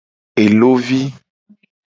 Elo vi.